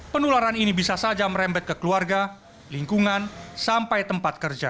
penularan ini bisa saja merembet ke keluarga lingkungan sampai tempat kerja